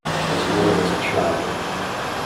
His mother was a child.